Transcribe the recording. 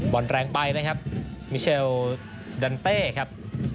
แรงไปนะครับมิเชลดันเต้ครับ